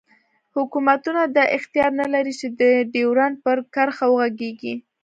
حوکمتونه دا اختیار نه لری چی د ډیورنډ پر کرښه وغږیږی